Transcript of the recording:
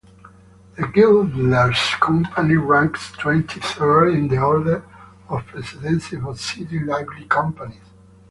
The Girdlers' Company ranks twenty-third in the order of precedence of City Livery Companies.